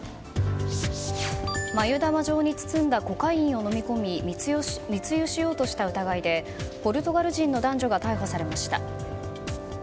繭玉状に包んだコカインを飲み込み密輸しようとした疑いでポルトガル人の男女が逮捕されました。